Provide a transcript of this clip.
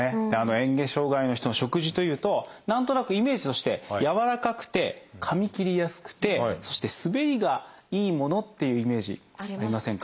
えん下障害の人の食事というと何となくイメージとしてやわらかくてかみ切りやすくてそして滑りがいいものっていうイメージありませんか？